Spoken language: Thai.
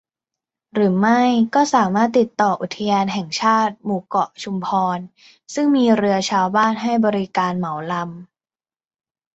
หรือไม่ก็สามารถติดต่ออุทยานแห่งชาติหมู่เกาะชุมพร ซึ่งมีเรือชาวบ้านให้บริการเหมาลำ